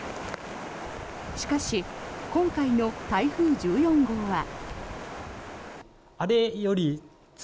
しかし、今回の台風１４号は。